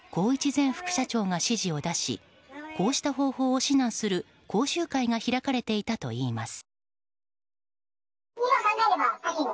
前副社長が指示を出しこうした方法を指南する講習会が開かれていたといいます。